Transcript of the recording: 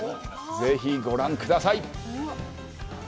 ぜひご覧ください。